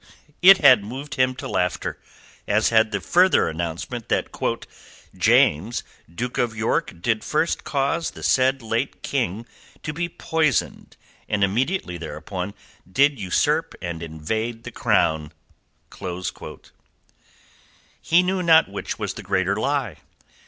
It had moved him to laughter, as had the further announcement that "James Duke of York did first cause the said late King to be poysoned, and immediately thereupon did usurp and invade the Crown." He knew not which was the greater lie.